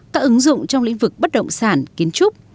các ứng dụng trong lĩnh vực bất động sản kiến trúc